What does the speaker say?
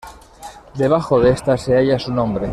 Debajo de esta se halla su nombre.